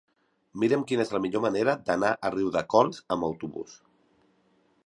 Mira'm quina és la millor manera d'anar a Riudecols amb autobús.